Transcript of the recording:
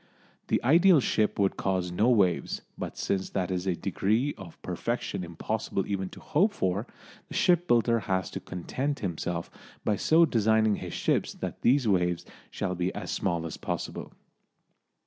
The ideal ship would cause no waves, but since that is a degree of perfection impossible even to hope for, the shipbuilder has to content himself by so designing his ships that these waves shall be as small as possible.